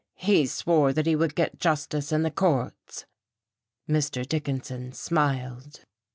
He swore that he would get justice in the courts." Mr. Dickinson smiled....